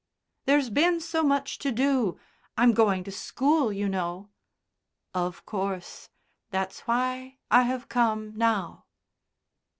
"There's been so much to do. I'm going to school, you know." "Of course. That's why I have come now."